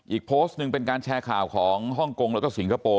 อีกโพสต์หนึ่งเป็นการแชร์ข่าวของฮ่องกงแล้วก็สิงคโปร์